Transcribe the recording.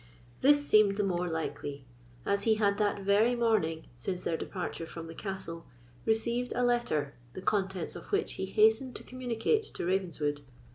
This seemed the more likely, as he had that very morning, since their departure from the castle, received a letter, the contents of which he hastened to communicate to Ravenswood.